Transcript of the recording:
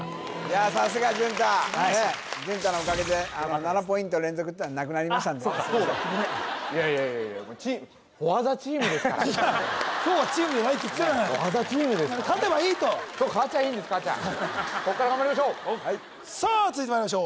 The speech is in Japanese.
さすが淳太淳太のおかげで７ポイント連続っていうのはなくなりましたんでごめんいやいやいや今日はチームじゃないって言ってたじゃないフォア・ザ・チームですから勝てばいいと勝ちゃあいいんです勝ちゃあこっから頑張りましょうさあ続いてまいりましょう